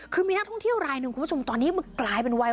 คือมีนักท่องเที่ยวรายหนึ่งคุณผู้ชมตอนนี้มันกลายเป็นวัย